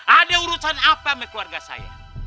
ada urusan apa sama keluarga saya